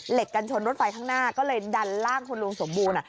กันชนรถไฟข้างหน้าก็เลยดันล่างคุณลุงสมบูรณ์